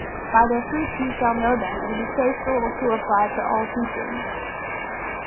"By their fruits shall you know them," is a safe rule to apply to all teachings.